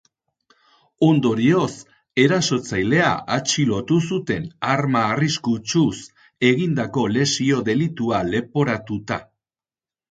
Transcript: Ondorioz, erasotzailea atxilotu zuten arma arriskutsuz egindako lesio delitua leporatuta.